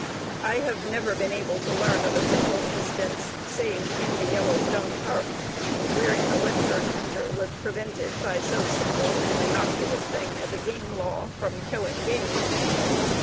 I have never been able to learn of a single instance, save in the Yellowstone Park, wherein a western hunter was prevented by so simple and innocuous a thing as a game law from killing game.